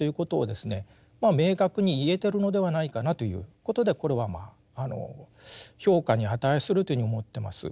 明確に言えてるのではないかなということでこれはまあ評価に値するというふうに思ってます。